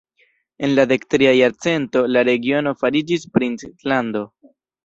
En la dektria jarcento, la regiono fariĝis princlando.